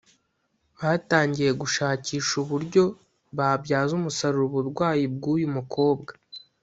batangiye gushakisha uburyo babyaza umusaruro uburwayi bw’uyu mukobwa